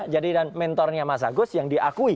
jadi dan mentornya mas agus yang diakui